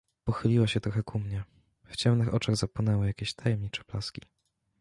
"Pochyliła się trochę ku mnie, w ciemnych oczach zapłonęły jakieś tajemnicze blaski."